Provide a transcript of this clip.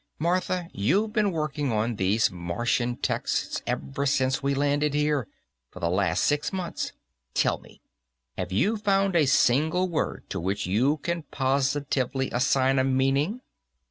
Martha, you've been working on these Martian texts ever since we landed here for the last six months. Tell me, have you found a single word to which you can positively assign a meaning?"